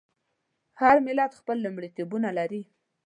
هر ملت خپل لومړیتوبونه لري.